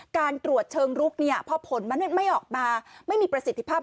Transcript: การตรวจเชิงลุกเนี่ยพอผลมันไม่ออกมาไม่มีประสิทธิภาพ